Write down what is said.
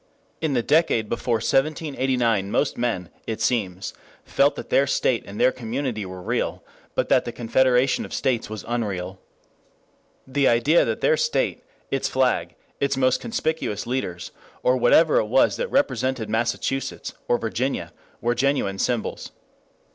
In the decade before 1789 most men, it seems, felt that their state and their community were real, but that the confederation of states was unreal. The idea of their state, its flag, its most conspicuous leaders, or whatever it was that represented Massachusetts, or Virginia, were genuine symbols.